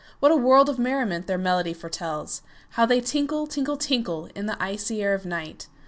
What a world of merriment their melody foretells! How they tinkle, tinkle, tinkle, In the icy air of night!